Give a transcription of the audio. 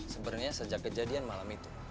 sebenarnya sejak kejadian malam itu